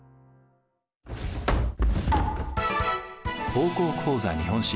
「高校講座日本史」。